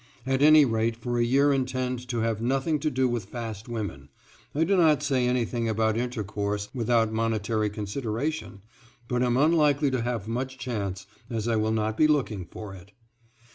At any rate for a year intend to have nothing to do with fast women I do not say anything about intercourse without monetary consideration, but am unlikely to have much chance as I will not be looking for it.